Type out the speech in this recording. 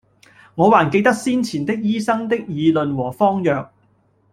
我還記得先前的醫生的議論和方藥，